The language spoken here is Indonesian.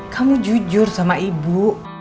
kamu jujur sama ibu